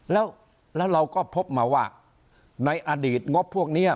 แล้วเราก็พบมาว่าในอดีตงบพวกนี้